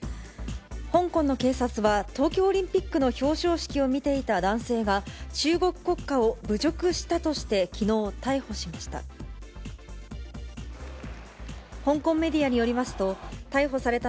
香港の警察は、東京オリンピックの表彰式を見ていた男性が、中国国歌を侮辱したとして、きのう逮捕しました。